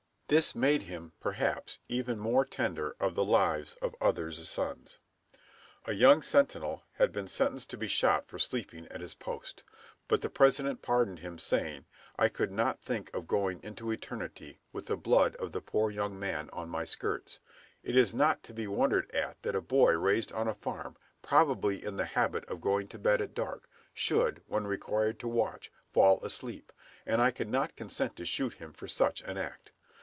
This made him, perhaps, even more tender of the lives of others' sons. A young sentinel had been sentenced to be shot for sleeping at his post; but the President pardoned him, saying, "I could not think of going into eternity with the blood of the poor young man on my skirts. It is not to be wondered at that a boy raised on a farm, probably in the habit of going to bed at dark, should, when required to watch, fall asleep, and I cannot consent to shoot him for such an act."